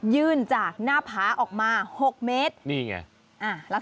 ยื่นจากหน้าผาออกมา๖เมตร